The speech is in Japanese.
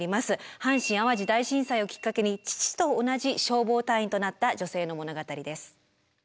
阪神・淡路大震災をきっかけに父と同じ消防隊員となった女性の物語です。